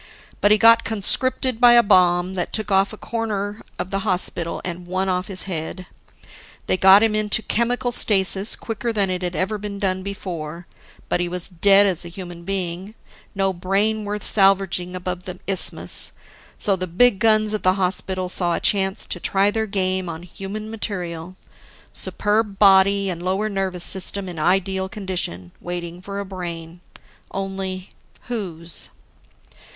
But he got conscripted by a bomb that took a corner off the hospital and one off his head. They got him into chemical stasis quicker than it'd ever been done before, but he was dead as a human being no brain worth salvaging above the isthmus. So, the big guns at the hospital saw a chance to try their game on human material, superb body and lower nervous system in ideal condition, waiting for a brain. Only, whose?